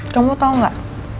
kamu tau gak